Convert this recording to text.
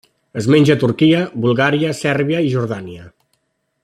Es menja a Turquia, Bulgària, Sèrbia i Jordània.